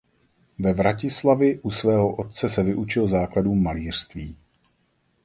Ve Vratislavi u svého otce se vyučil základům malířství.